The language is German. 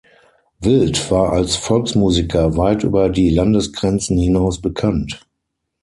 Wild war als Volksmusiker weit über die Landesgrenzen hinaus bekannt.